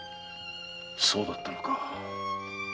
そうだったのか。